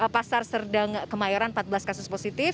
pasar serdang kemayoran empat belas kasus positif